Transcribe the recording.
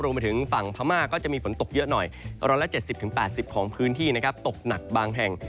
ไปถึงฝั่งพม่าก็จะมีฝนตกเยอะหน่อย๑๗๐๘๐ของพื้นที่นะครับตกหนักบางแห่ง